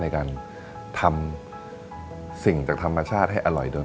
ในการทำสิ่งจากธรรมชาติให้อร่อยโดย